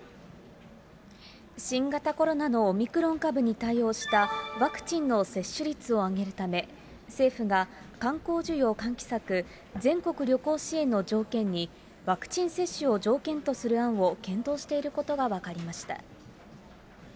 新型コロナのオミクロン株に対応したワクチンの接種率を上げるため、政府が観光需要喚起策、全国旅行支援の条件に、ワクチン接種を条件とする案を検討していることが分かりました。